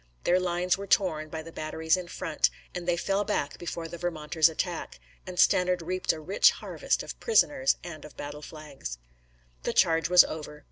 Their lines were torn by the batteries in front, and they fell back before the Vermonter's attack, and Stannard reaped a rich harvest of prisoners and of battle flags. The charge was over.